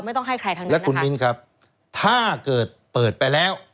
ไม่ต้องให้ใครทั้งนั้นและคุณมิ้นครับถ้าเกิดเปิดไปแล้ว